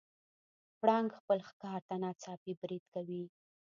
پړانګ خپل ښکار ته ناڅاپي برید کوي.